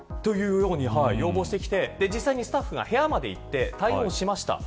実際にスタッフが部屋まで行って対応しました。